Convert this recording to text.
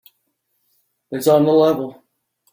It's on the level.